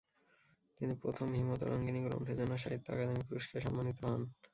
তিনি প্রথম 'হিমতরঙ্গিনী' গ্রন্থের জন্য সাহিত্য অকাদেমি পুরস্কারে সম্মানিত হন।